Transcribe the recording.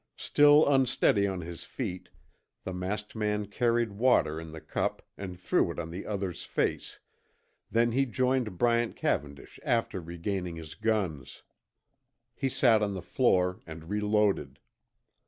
Still unsteady on his feet, the masked man carried water in the cup and threw it on the other's face, then he joined Bryant Cavendish after regaining his guns. He sat on the floor and reloaded.